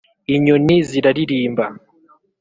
inyoni ziraririmba